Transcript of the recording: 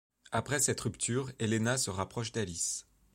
Après cette rupture, Helena se rapproche d’Alice.